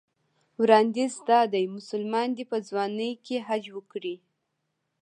وړاندیز دا دی مسلمان دې په ځوانۍ حج وکړي.